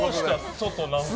外、何か。